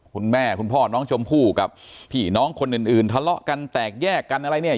คุณแม่คุณพ่อน้องชมผู้กับผีน้องคนอื่นทะเลาะกันแตกแยกกันอะไรเนี่ย